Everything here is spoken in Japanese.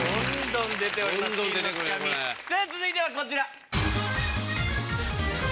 さぁ続いてはこちら。